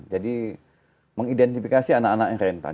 jadi mengidentifikasi anak anak yang rentan